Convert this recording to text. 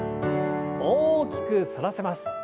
大きく反らせます。